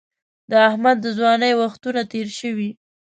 د احمد د ځوانۍ وختونه تېر شوي.